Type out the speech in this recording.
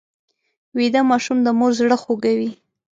ویده ماشوم د مور زړه خوږوي